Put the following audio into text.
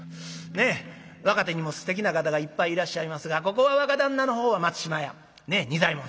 ねえ若手にもすてきな方がいっぱいいらっしゃいますがここは若旦那のほうは松嶋屋ねえ仁左衛門さん。